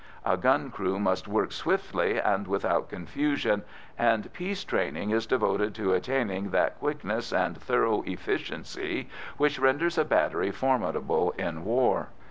A gun crew must work swiftly and without confusion, and peace training is devoted to attaining that quickness and thorough efficiency which renders a battery formidable in war.